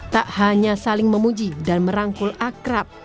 tak hanya saling memuji dan merangkul akrab